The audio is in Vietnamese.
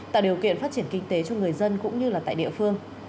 tạo điều kiện phát triển kinh tế cho người dân cũng như tại địa phương